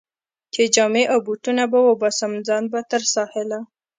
چې جامې او بوټونه به وباسم، ځان به تر ساحله.